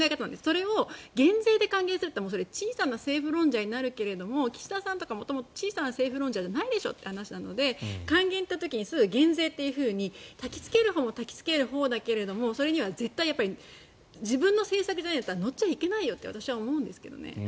それを減税で還元するというのはそれ、小さな政府論者になるけど岸田さんとか元々小さな政府論者じゃないという話なので還元と言った時にすぐに減税とたきつけるほうもたきつけるほうだけれどそれには絶対に自分の政策じゃないなら乗っちゃいけないと私は思うんですがね。